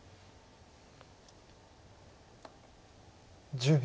１０秒。